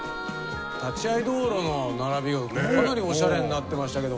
立会道路の並びはかなりおしゃれになってましたけど。